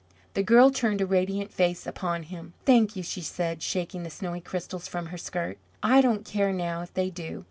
The girl turned a radiant face upon him. "Thank you," she said, shaking the snowy crystals from her skirt. "I don't care now if they do.